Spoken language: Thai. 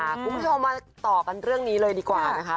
คุณผู้ชมมาต่อกันเรื่องนี้เลยดีกว่านะคะ